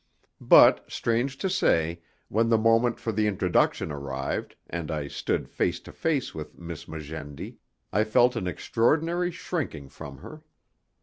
But; strange to say, when the moment for the introduction arrived, and I stood face to face with Miss Magendie, I felt an extraordinary shrinking from her.